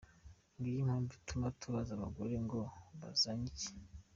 Ngiyi impamvu ituma tubaza abagore ngo bazanye iki?’.